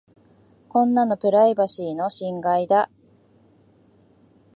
こんなのプライバシーの侵害だ。